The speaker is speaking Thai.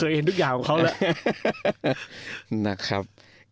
เคยเห็นทุกอย่างของเค้าตั๊ง